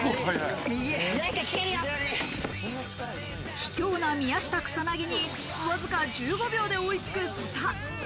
卑怯な宮下草薙にわずか１５秒で追いつく曽田。